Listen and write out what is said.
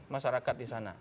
masyarakat di sana